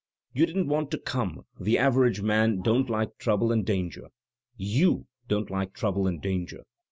"*You didn't want to come. The average man don't like trouble and danger. You don't like trouble and danger.